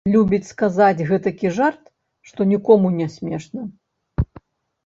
Любіць сказаць гэтакі жарт, што нікому не смешна.